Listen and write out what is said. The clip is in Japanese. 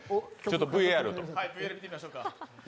ＶＡＲを。